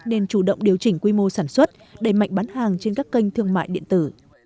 nên chủ động điều chỉnh quy mô sản xuất đẩy mạnh bán hàng trên các kênh thương mại điện tử